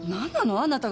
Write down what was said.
あなた方。